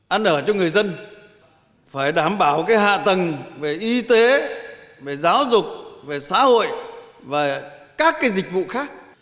ăn ở cho người dân phải đảm bảo hạ tầng về y tế giáo dục xã hội và các dịch vụ khác